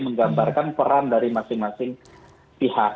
menggambarkan peran dari masing masing pihak